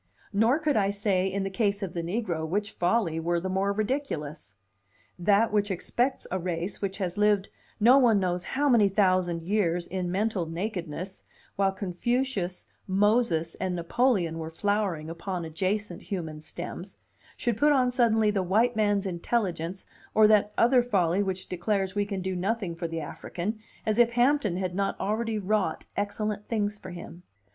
Nor could I say in the case of the negro which folly were the more ridiculous; that which expects a race which has lived no one knows how many thousand years in mental nakedness while Confucius, Moses, and Napoleon were flowering upon adjacent human stems, should put on suddenly the white man's intelligence, or that other folly which declares we can do nothing for the African, as if Hampton had not already wrought excellent things for him.